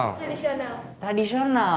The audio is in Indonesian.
jangan itukin lah jangan poro